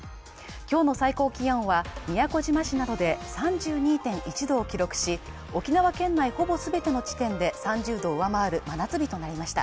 今日の最高気温は宮古島市などで３２．１度を記録し、沖縄県内ほぼ全ての地点で３０度を上回る真夏日となりました。